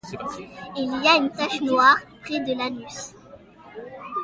Il a une tache noire près de l'anus.